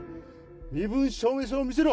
身分証明書を見せろ。